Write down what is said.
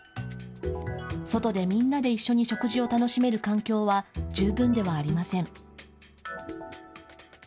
外でみんなで一緒に食事を楽しめる環境は、十分ではありません。